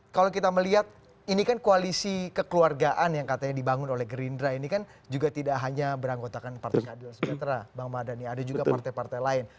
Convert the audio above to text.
kalau kita melihat ini kan koalisi kekeluargaan yang katanya dibangun oleh gerindra ini kan juga tidak hanya beranggotakan partai keadilan sejahtera bang mardhani ada juga partai partai lain